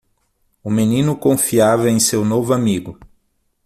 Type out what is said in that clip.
O menino confiava em seu novo amigo.